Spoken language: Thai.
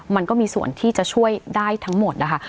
มันก็มีส่วนที่จะช่วยได้ทั้งหมดนะคะ